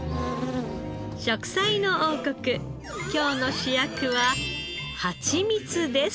『食彩の王国』今日の主役はハチミツです。